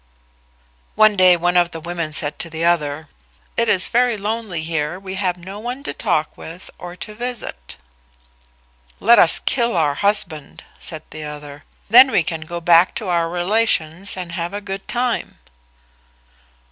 One day one of the women said to the other, "It is very lonely here; we have no one to talk with or to visit." "Let us kill our husband," said the other: "then we can go back to our relations and have a good time."